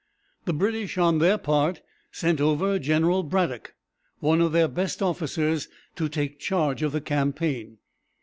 The British, on their part, sent over General Braddock, one of their best officers, to take charge of the campaign.